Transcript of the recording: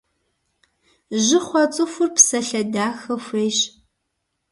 Жьы хъуа цӏыхур псалъэ дахэ хуейщ.